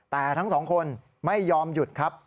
แต่ทั้งสองคนไม่ยอมหยุดครับ